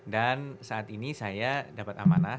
dan saat ini saya dapat amanah